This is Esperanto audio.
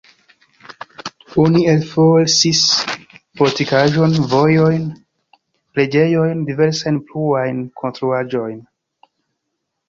Oni elfosis fortikaĵon, vojojn, preĝejojn, diversajn pluajn konstruaĵojn.